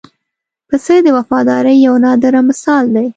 پسه د وفادارۍ یو نادره مثال دی.